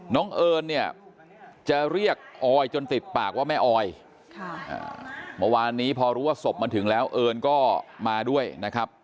เอิญเนี่ยจะเรียกออยจนติดปากว่าแม่ออยเมื่อวานนี้พอรู้ว่าศพมาถึงแล้วเอิญก็มาด้วยนะครับ